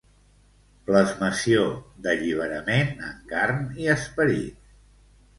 Plasmació d'alliberament en carn i esperit.